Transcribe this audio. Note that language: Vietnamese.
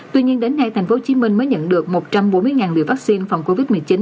tuy nhiên đến nay tp hcm mới nhận được một trăm bốn mươi liều vaccine phòng covid một mươi chín